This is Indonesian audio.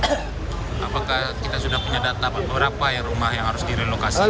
apakah kita sudah punya data berapa rumah yang harus direlokasi